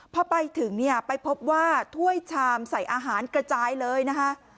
พอไปถึงเนี่ยไปพบว่าถ้วยชามใส่อาหารกระจายเลยนะคะ